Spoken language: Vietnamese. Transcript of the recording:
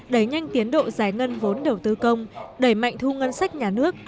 đẩy nhanh tiến độ giải ngân vốn đầu tư công đẩy mạnh thu ngân sách nhà nước